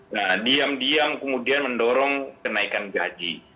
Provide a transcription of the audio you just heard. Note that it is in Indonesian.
nah diam diam kemudian mendorong kenaikan gaji